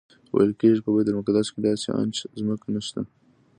ویل کېږي په بیت المقدس کې داسې انچ ځمکه نشته.